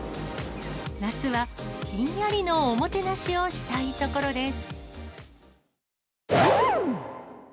夏は、ひんやりのおもてなしをしたいところです。